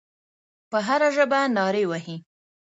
په هره ژبه نارې وهي.